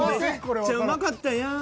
めっちゃうまかったやん。